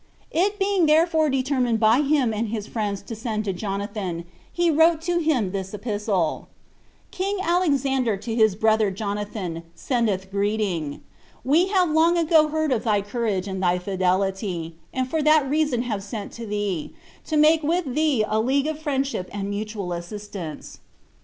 It being therefore determined by him and his friends to send to Jonathan, he wrote to him this epistle: "King Alexander to his brother Jonathan, sendeth greeting. We have long ago heard of thy courage and thy fidelity, and for that reason have sent to thee, to make with thee a league of friendship and mutual assistance.